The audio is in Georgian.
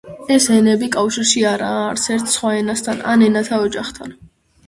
ეს ენები კავშირში არაა არც ერთ სხვა ენასთან ან ენათა ოჯახთან.